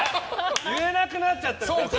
言えなくなっちゃってるから。